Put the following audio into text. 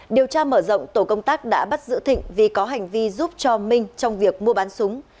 điều tra mở rộng tổ công tác đã bắt giữ thịnh vì có hành vi giúp cho minh trong việc mua bán súng